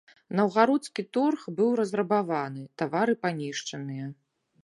Наўгародскі торг быў разрабаваны, тавары панішчаныя.